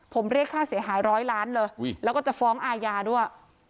ผมเรียกค่าเสียหายร้อยล้านเลยแล้วก็จะฟ้องอาญาด้วย